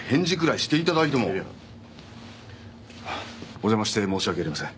お邪魔して申し訳ありません。